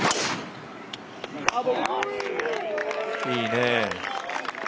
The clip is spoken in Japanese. いいね。